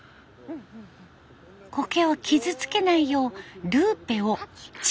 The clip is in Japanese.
コケを傷つけないようルーペを近づけます。